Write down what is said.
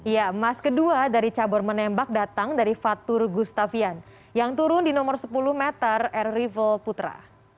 ya emas kedua dari cabur menembak datang dari fatur gustaffian yang turun di nomor sepuluh meter air rival putra